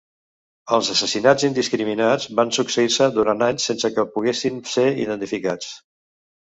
Els assassinats indiscriminats van succeir-se durant anys sense que poguessin ser identificats.